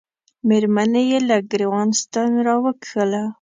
مېرمنې یې له ګرېوان ستن را وکښله.